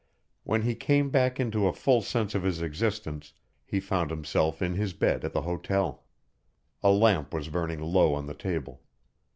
When he came back into a full sense of his existence he found himself in his bed at the hotel. A lamp was burning low on the table.